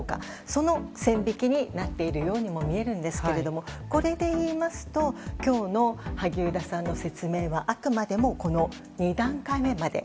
その線引きになっているようにもみえるんですけれどもこれでいいますと今日の萩生田さんの説明はあくまでも２段階目まで。